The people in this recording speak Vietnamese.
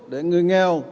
để người nghèo